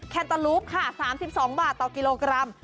แนเตอร์ลูปค่ะ๓๒บาทต่อกิโลกรัม